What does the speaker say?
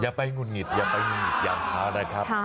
อย่าไปงุดงิดอย่าไปงุดงิดอย่าพ้านะครับ